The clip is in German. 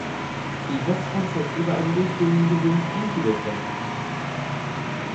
Die Westfront zeigt über einem durchgehenden Gesims ein Giebelfeld.